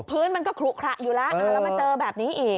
พื้นมันก็ขลุขระอยู่แล้วแล้วมาเจอแบบนี้อีก